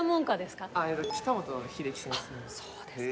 そうですか。